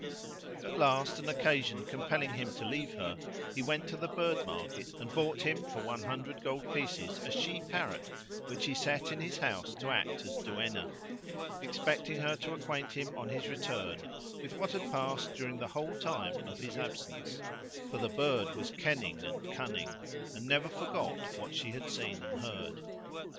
At last an occasion compelling him to leave her, he went to the bird market and bought him for one hundred gold pieces a she parrot which he set in his house to act as duenna, expecting her to acquaint him on his return with what had passed during the whole time of his absence; for the bird was kenning and cunning and never forgot what she had seen and heard.